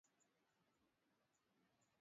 hekta ya wastani ya msitu wa mvua ugunduzi